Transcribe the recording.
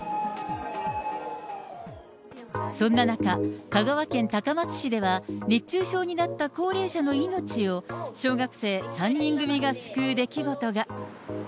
そんな中、香川県高松市では、熱中症になった高齢者の命を、小学生３人組が救う出来事が。